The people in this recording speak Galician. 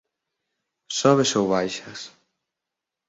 Sobes ou baixas?